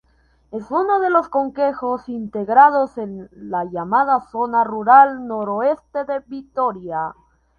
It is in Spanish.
Es uno de los concejos integrados en la llamada Zona Rural Noroeste de Vitoria.